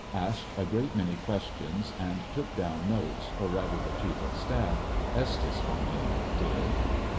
Asked a great many questions and took down notes, or rather the chief of staff, Estes by name, did.